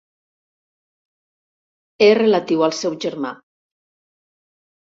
És relatiu al seu germà.